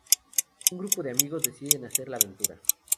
Un grupo de amigos deciden hacer una aventura.